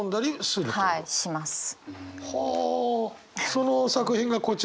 その作品がこちら。